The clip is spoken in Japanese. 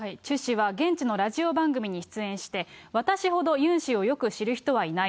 チュ氏は現地のラジオ番組に出演して、私ほどユン氏をよく知る人はいない。